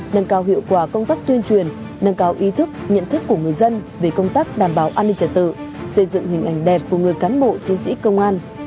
nâng cao hiệu quả công tác tuyên truyền nâng cao ý thức nhận thức của người dân về công tác đảm bảo an ninh trật tự xây dựng hình ảnh đẹp của người cán bộ chiến sĩ công an